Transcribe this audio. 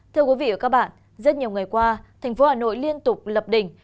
thưa quý vị và các bạn rất nhiều ngày qua thành phố hà nội liên tục lập đỉnh